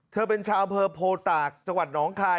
เธอเป็นชาวอำเภอโพตากจังหวัดหนองคาย